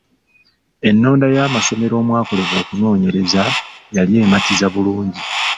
Ennonda y’amasomero omwakolerwa okunoonyereza yali ematiza bulungi.